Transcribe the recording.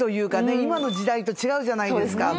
今の時代と違うじゃないですか。